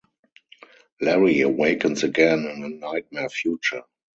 Larry awakens again in a nightmare future.